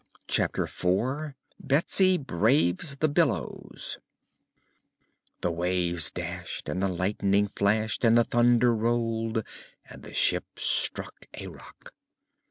Chapter Four Betsy Braves the Billows The waves dashed and the lightning flashed and the thunder rolled and the ship struck a rock.